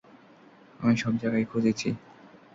আমি সব জায়গায় খুজেছি।